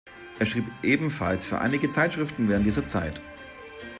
Er schrieb ebenfalls für einige Zeitschriften während dieser Zeit.